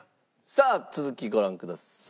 さあ続きご覧ください。